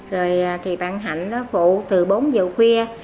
rồi thì bạn hạnh phụ từ bốn giờ khuya